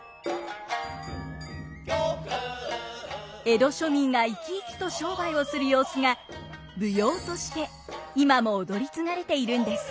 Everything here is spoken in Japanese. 江戸庶民がいきいきと商売をする様子が舞踊として今も踊り継がれているんです。